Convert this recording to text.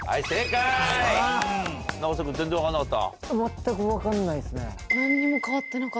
永瀬君全然分かんなかった？